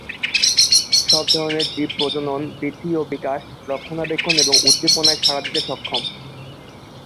সব ধরনের জীব প্রজনন, বৃদ্ধি ও বিকাশ, রক্ষণাবেক্ষণ এবং উদ্দীপনায় সাড়া দিতে সক্ষম।